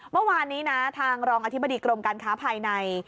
เมื่อวานนี้นะทางรองอธิบดีกรมการค้าภายใน